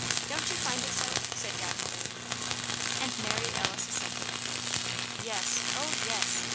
Don't you find it so?" said Godmother. And Mary Alice assented. "Yes, oh, yes!